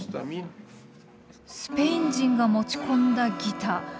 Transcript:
スペイン人が持ち込んだギター